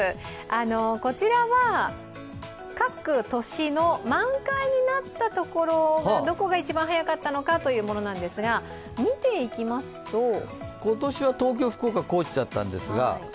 こちらは各年の満開になったところがどこが一番早かったのかというものですが、見ていきますと今年は東京、福岡、高知だったんですが。